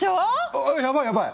あっやばいやばい。